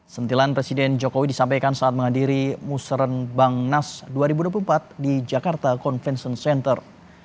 sentilan presiden jokowi disampaikan saat menghadiri musren bang nas dua ribu dua puluh empat di jakarta convention center